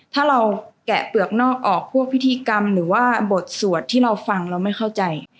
ถ้าเราแกะเปลือกนอกออกพวกพิธีกรรมหรือว่าบทสวดที่เราฟังเราไม่เข้าใจ